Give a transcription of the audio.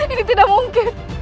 ini tidak mungkin